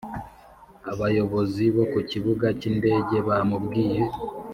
abayobozi bo ku kibuga cyindege bamubwiye